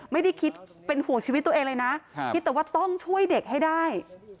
ไม่ได้คิดเป็นห่วงชีวิตตัวเองเลยนะคิดแต่ว่าต้องช่วยเด็กให้ได้